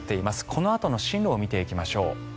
このあとの進路を見ていきましょう。